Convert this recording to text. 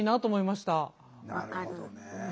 なるほどね。